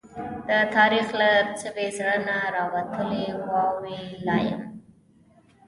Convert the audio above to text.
د تاريخ له سوي زړه نه، راوتلې واوي لا يم